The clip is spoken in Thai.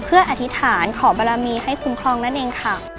เพื่ออธิษฐานขอบรมีให้คุ้มครองนั่นเองค่ะ